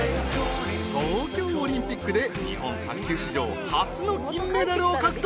［東京オリンピックで日本卓球史上初の金メダルを獲得］